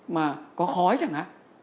mà có khói chẳng hạn